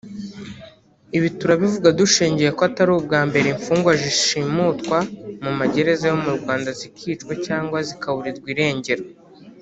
Ibi turabivuga dushingiye ko atari ubwa mbere imfungwa zishimutwa mu magereza yo mu Rwanda zikicwa cyangwa zikaburirwa irengero